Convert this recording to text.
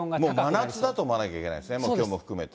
もう真夏だと思わないといけないですね、気温も含めて。